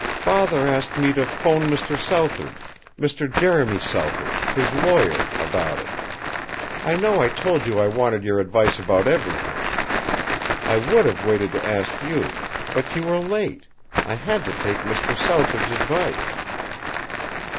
"Father asked me to 'phone Mr. Southard, Mr. Jeremy Southard, his lawyer, about it. I know I told you I wanted your advice about everything. I would have waited to ask you. But you were late. I had to take Mr. Southard's advice."